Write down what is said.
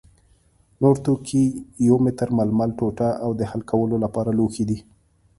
نور توکي یو متر ململ ټوټه او د حل کولو لپاره لوښي دي.